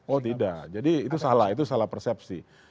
oh tidak jadi itu salah itu salah persepsi